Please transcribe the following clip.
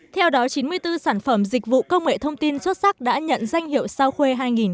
theo đó chín mươi bốn sản phẩm dịch vụ công nghệ thông tin xuất sắc đã nhận danh hiệu sao khuê hai nghìn một mươi chín